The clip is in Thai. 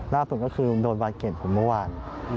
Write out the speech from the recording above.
ล่าสุดก็คือลุงโดนบาร์เกรดผมเมื่อวาน